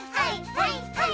はいはい！